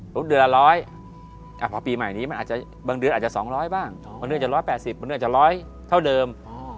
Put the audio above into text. เดือนละ๑๐๐พอปีใหม่นี้มันอาจจะบางเดือนอาจจะ๒๐๐บ้างบางเรื่องจะ๑๘๐บางเรื่องอาจจะ๑๐๐เท่าเดิม